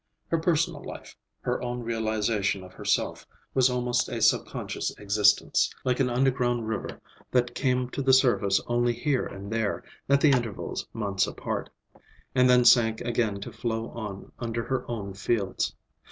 Her personal life, her own realization of herself, was almost a subconscious existence; like an underground river that came to the surface only here and there, at intervals months apart, and then sank again to flow on under her own fields.